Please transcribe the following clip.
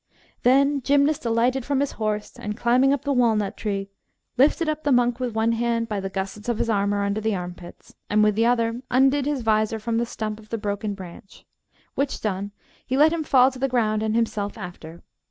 Then Gymnast alighted from his horse, and, climbing up the walnut tree, lifted up the monk with one hand by the gussets of his armour under the armpits, and with the other undid his vizor from the stump of the broken branch; which done, he let him fall to the ground and himself after.